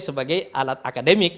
sebagai alat akademik